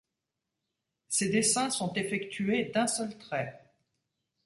Ses dessins sont effectués d’un seul trait.